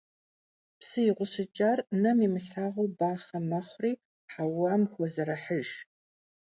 Psı yiğuşıç'ar nem yimılhağu baxhe mexhuri heuam xozerıhıjj.